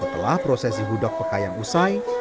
setelah prosesi hudog pekayam usai